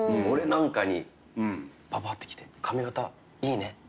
俺なんかにパパッて来て「髪形いいね」。